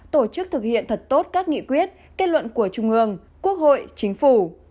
tổ chức thực hiện thật tốt các nghị quyết kết luận của trung ương quốc hội chính phủ